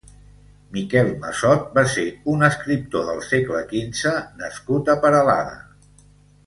Miquel Massot va ser un escriptor del segle quinze nascut a Peralada.